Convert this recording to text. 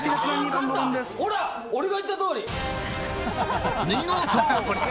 俺が言ったとおり！